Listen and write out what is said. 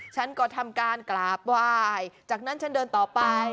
ฉันก็ทำการกราบไหว้จากนั้นฉันเดินต่อไป